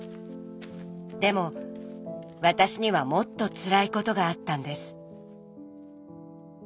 でも私にはもっとつらいことがあったんです。